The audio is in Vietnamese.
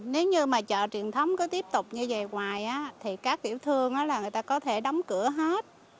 nếu như mà chợ truyền thống cứ tiếp tục như vậy hoài á thì các tiểu thương là người ta có thể đóng cửa hết